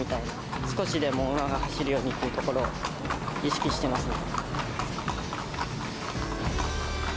少しでも馬が走るようにっていうところを意識してますね。